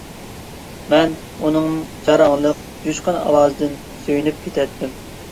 مەن ئۇنىڭ جاراڭلىق، جۇشقۇن ئاۋازىدىن سۆيۈنۈپ كېتەتتىم.